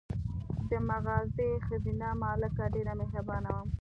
د مغازې ښځینه مالکه ډېره مهربانه وه.